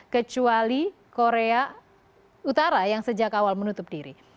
kecuali korea utara yang sejak awal menutup diri